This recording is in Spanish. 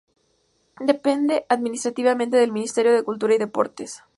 Depende administrativamente del Ministerio de Cultura y Deportes.